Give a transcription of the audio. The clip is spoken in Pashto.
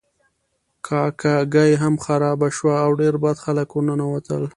کاکه ګي هم خرابه شوه او ډیر بد خلک ورننوتل.